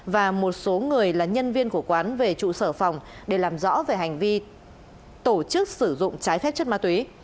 và một số người là nhân viên của quán về trụ sở phòng để làm rõ về hành vi tổ chức sử dụng trái phép chất ma túy